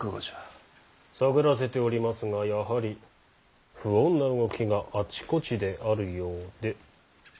探らせておりますがやはり不穏な動きがあちこちであるようで。